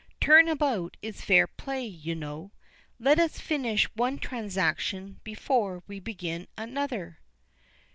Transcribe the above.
Turn about is fair play, you know. Let us finish one transaction before we begin another."